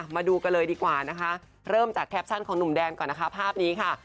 มาดูกันเลยดีกว่านะคะเริ่มจากแคปชั่นของหนุ่มแดนก่อนนะคะภาพนี้ค่ะ